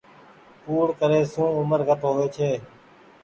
ڪوڙي ڪري سون اومر گھٽ هووي ڇي۔